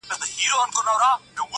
هم له پنده څخه ډکه هم ترخه ده؛